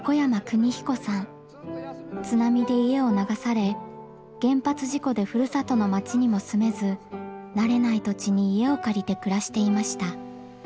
津波で家を流され原発事故でふるさとの町にも住めず慣れない土地に家を借りて暮らしていました。